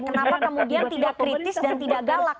kenapa kemudian tidak kritis dan tidak galak